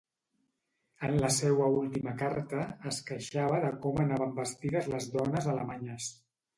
En la seua última carta, es queixava de com anaven vestides les dones alemanyes.